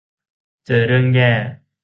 เจอเรื่องแย่